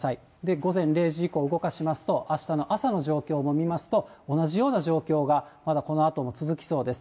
午前０時以降、動かしますと、あしたの朝の状況も見ますと、同じような状況が、まだこのあとも、続きそうです。